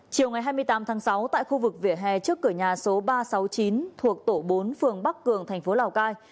chiều ngày hai mươi tám tháng sáu tại khu vực vỉa hè trước cửa nhà số ba trăm sáu mươi chín thuộc tổ bốn phường bắc cường thành phố lào cai